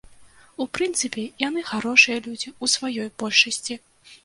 У прынцыпе, яны харошыя людзі ў сваёй большасці.